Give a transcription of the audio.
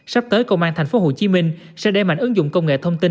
sắp tới công an thành phố hồ chí minh sẽ đem mạnh ứng dụng công nghệ thông tin